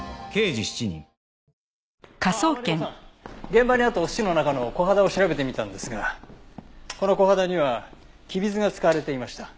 現場にあったお寿司の中のコハダを調べてみたんですがこのコハダにはきび酢が使われていました。